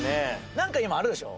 何か今あるでしょ？